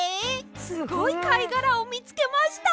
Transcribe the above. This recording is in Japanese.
すごいかいがらをみつけました！